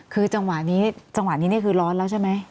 คือจังหวะนี้จังหวะนี้นี่คือร้อนแล้วใช่ไหม